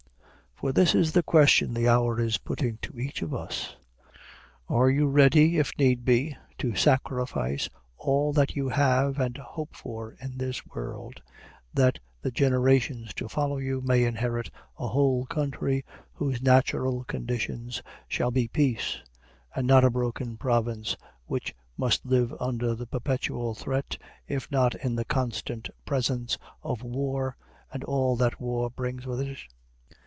For this is the question the hour is putting to each of us: Are you ready, if need be, to sacrifice all that you have and hope for in this world, that the generations to follow you may inherit a whole country whose natural conditions shall be peace, and not a broken province which must live under the perpetual threat, if not in the constant presence, of war and all that war brings with it?